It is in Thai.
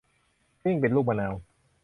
กลิ้งเป็นลูกมะนาว